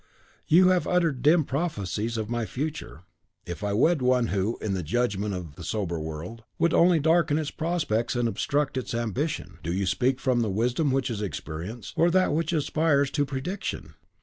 You have uttered dim prophecies of my future, if I wed one who, in the judgment of the sober world, would only darken its prospects and obstruct its ambition. Do you speak from the wisdom which is experience, or that which aspires to prediction?"